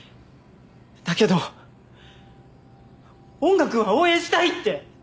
だけど音楽は応援したいって！